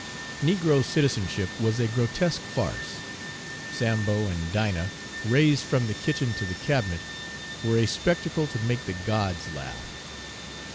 Negro citizenship was a grotesque farce Sambo and Dinah raised from the kitchen to the cabinet were a spectacle to make the gods laugh.